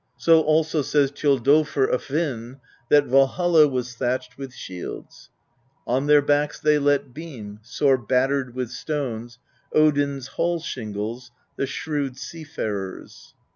So also says Thjodolfr of Hvin, that Valhall was thatched with shields: On their backs they let beam, sore battered with stones, Odin's hall shingles, the shrewd sea farers.